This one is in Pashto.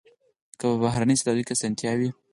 که په بهرنۍ سوداګرۍ کې اسانتیا وي.